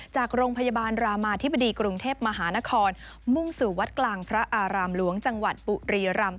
จากโรงพยาบาลรามาธิบดีกรุงเทพมหานครมุ่งสู่วัดกลางพระอารามหลวงจังหวัดปุรีรำ